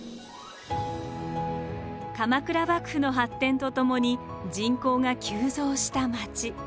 鎌倉幕府の発展とともに人口が急増した町。